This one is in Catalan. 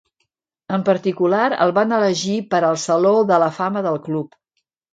En particular, el van elegir per al Saló de la Fama del club.